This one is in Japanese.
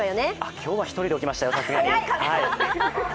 今日は１人で起きましたよ、さすがに。